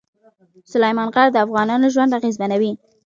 سلیمان غر د افغانانو ژوند اغېزمنوي.